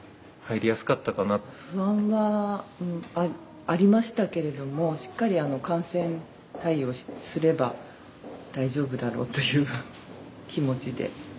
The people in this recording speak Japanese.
不安はありましたけれどもしっかり感染対応すれば大丈夫だろうという気持ちではい。